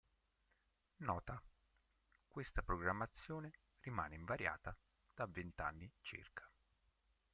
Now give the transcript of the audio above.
Nota: questa programmazione rimane invariata da vent'anni circa.